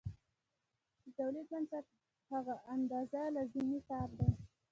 د تولید بنسټ هغه اندازه لازمي کار دی